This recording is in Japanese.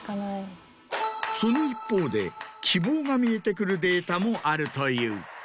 その一方で希望が見えてくるデータもあるという。